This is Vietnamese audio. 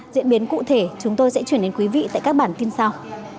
diễn biến cụ thể chúng tôi sẽ chuyển đến quý vị tại các bản tin sau